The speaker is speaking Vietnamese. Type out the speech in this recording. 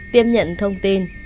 tiêm nhận thông tin